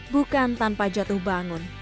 bukan tanpa jatuh bangun